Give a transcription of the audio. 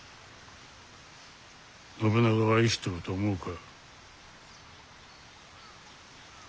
信長は生きとると思うか？